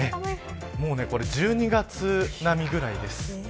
１２月並みぐらいです。